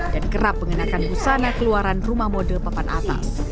dan kerap mengenakan busana keluaran rumah model pepan atas